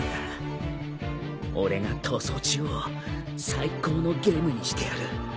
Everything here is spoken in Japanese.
俺が逃走中を最高のゲームにしてやる。